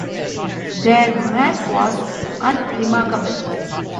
Their match was unremarkable.